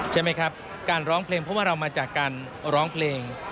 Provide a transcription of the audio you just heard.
ใช่ไหมครับการร้องเพลงเพราะว่าเรามาจากการร้องเพลง